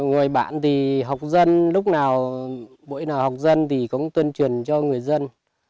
người bạn thì học dân lúc nào buổi nào học dân thì cũng tuân truyền cho người dân